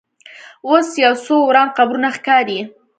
اوس یو څو وران قبرونه ښکاري.